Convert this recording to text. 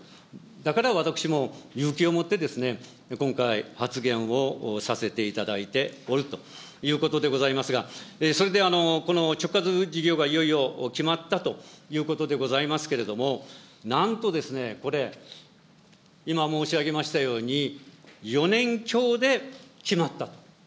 だから私も勇気を持って、今回、発言をさせていただいておるということでございますが、それで、この直轄事業がいよいよ決まったということでございますけれども、なんとですね、これ、今申し上げましたように、４年強で決まったと。